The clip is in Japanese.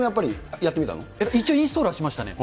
一応インストールはしましたね。